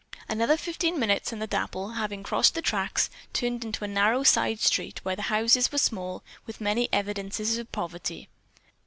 Another fifteen minutes and Dapple, having crossed the tracks, turned into a narrow side street where the houses were small, with many evidences of poverty.